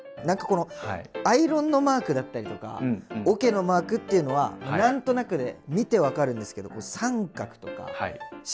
何かこのアイロンのマークだったりとかおけのマークっていうのは何となくで見て分かるんですけど「△」とか「□」